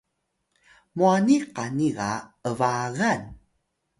mwani qani ga ’bagan